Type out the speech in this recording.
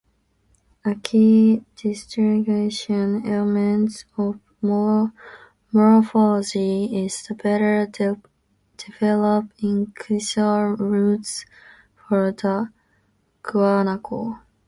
A key distinguishing element of morphology is the better-developed incisor roots for the guanaco.